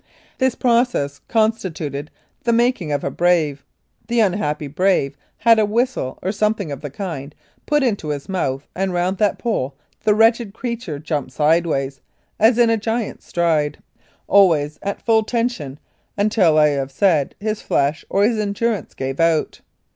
This process constituted the making of a "brave." The unhappy "brave" had a whistle, or something of the kind, put into his mouth, and round that pole the wretched creature jumped sideways (as in a "giant stride "), always at full tension until, as I have said, his flesh or his endurance gave out.